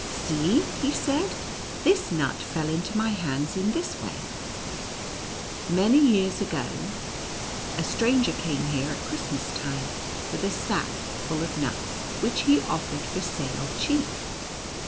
" See," he said, " this nut fell into my hands in this way. Many years ago, a stranger came here at Christ NUTCRACKER AND MOUSE KING. 79 mas time with, a sack full of nuts, which, he offered for sale cheap.